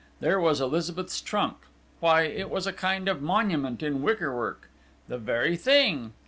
There was Elizabeth's trunk!... Why, it was a kind of monument in wicker work! The very thing!